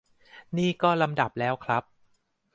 นี่ก็ลำดับแล้วครับ